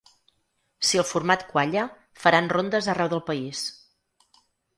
Si el format qualla, faran rondes arreu del país.